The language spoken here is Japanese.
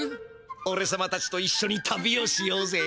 おれさまたちといっしょに旅をしようぜ。